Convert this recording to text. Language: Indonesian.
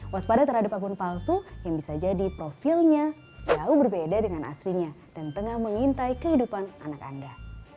waspada terhadap akun palsu yang bisa jadi profilnya jauh berbeda dengan aslinya dan tengah mengintai kehidupan anak anda